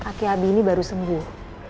kakek abi ini baru sembuh